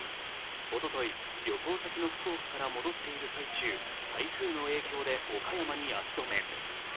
おととい、旅行先の福岡から戻っている最中、台風の影響で岡山に足止め。